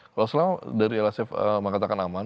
kalau selama dari lsf mengatakan aman